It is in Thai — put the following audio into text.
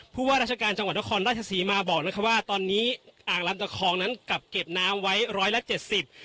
ผู้ว่าราชการจังหวัดนครราชศรีมาบอกนะคะว่าตอนนี้อ่างลำตะคองนั้นกลับเก็บน้ำไว้ร้อยละเจ็ดสิบ